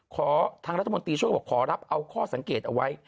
ทางรัฐมนตรีช่วยบอกขอรับเอาข้อสังเกตเอาไว้